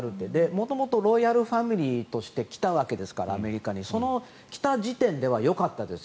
元々、ロイヤルファミリーとしてアメリカに来たわけですからその来た時点ではよかったんです。